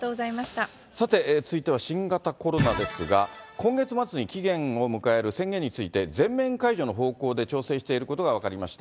さて、続いては新型コロナですが、今月末に期限を迎える宣言について、全面解除の方向で調整していることが分かりました。